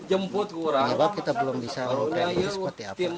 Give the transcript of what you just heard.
sebab kita belum bisa mengurangi seperti apa